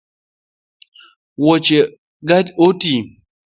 Wuoche ga otii